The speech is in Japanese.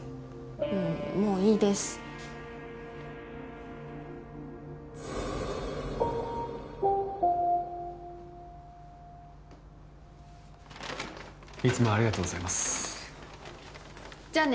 もうもういいですいつもありがとうございますじゃあね